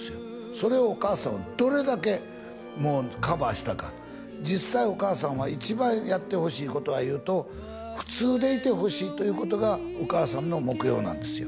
それをお母さんはどれだけもうカバーしたか実際お母さんは一番やってほしいことはいうと普通でいてほしいということがお母さんの目標なんですよ